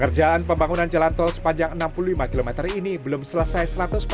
kerjaan pembangunan jalan tol sepanjang enam puluh lima km ini belum selesai